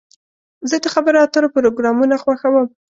زه د خبرو اترو پروګرامونه خوښوم.